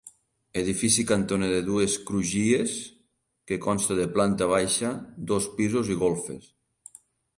Edifici cantoner de dues crugies que consta de planta baixa, dos pisos i golfes.